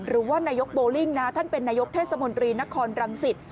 หรือว่านายกโบลิ่งนะท่านเป็นนายกเทศมนตรีนครรังสิต